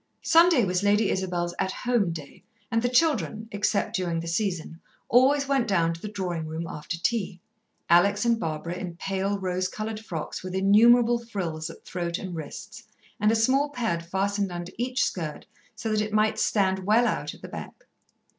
Sunday was Lady Isabel's At Home day and the children, except during the season, always went down to the drawing room after tea, Alex and Barbara in pale, rose coloured frocks with innumerable frills at throat and wrists, and a small pad fastened under each skirt so that it might stand well out at the back.